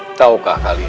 hai tahukah kalian